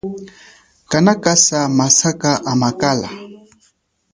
Kana kasa masaka amakala.